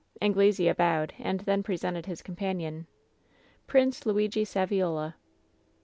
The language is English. "Anglesea bowed, and then presented his companion :" Trince Luigi Saviola.'